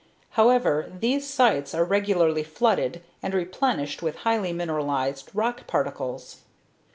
However, these sites are regularly flooded and replenished with highly mineralized rock particles.